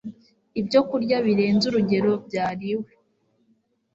Ibyokurya birenze urugero byariwe